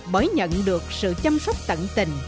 bởi nhận được sự chăm sóc tận tình